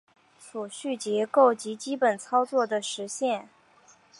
存储结构及基本操作的实现